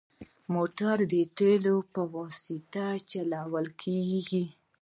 موټر د تیلو په واسطه چلېږي.